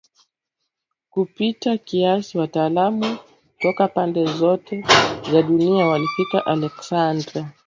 kupita kiasi Wataalamu toka pande zote za dunia walifika Aleksandria